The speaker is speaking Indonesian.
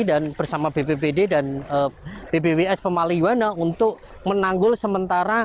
dan bersama bppd dan bpws pemaliwana untuk menanggul sementara